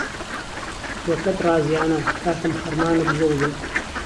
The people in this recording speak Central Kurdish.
تووهکهت رازیانه، کاکم خهرمانت گوڵ بێ